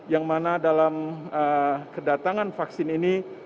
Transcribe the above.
yang mana dalam kedatangan vaksin ini